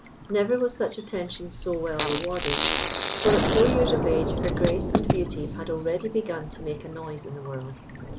Never was such attention so well rewarded, for at four years of age her grace and beauty had already begun to make a noise in the world.